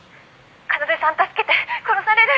「奏さん助けて殺される！」